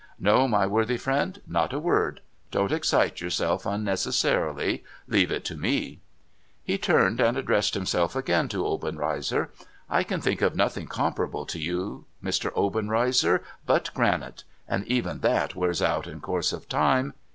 ' No, my worthy friend, not a word. Don't excite j'ourself un necessarily; leave it to me.' He turned, and addressed himself again to Obenreizer. ' I can think of nothing comparable to you, Mr. Obenreizer, but granite — and even that v^'cars out in course of time.